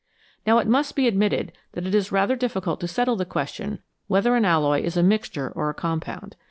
Now it must be ad mitted that it is rather difficult to settle the question whether an alloy is a mixture or a compound.